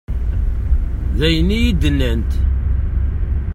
D ayen i yi-d-nnant.